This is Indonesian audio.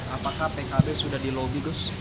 apakah pkb sudah di lobi gus